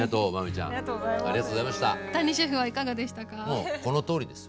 もうこのとおりです